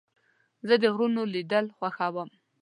زه د غرونو لیدل خوښوم.